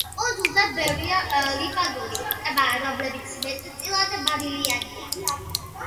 კუნძულზე ბევრია ლიმანური ტბა, რომლებიც მეტწილად მარილიანია.